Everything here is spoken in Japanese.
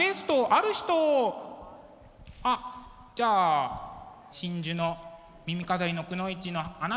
あっじゃあ真珠の耳飾りのくノ一のあなた。